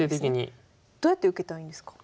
どうやって受けたらいいんですかこれ。